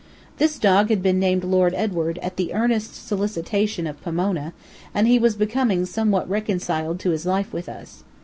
This dog had been named Lord Edward, at the earnest solicitation of Pomona, and he was becoming somewhat reconciled to his life with us.